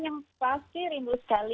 yang pasti rindu sekali